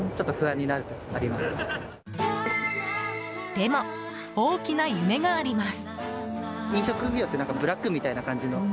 でも、大きな夢があります。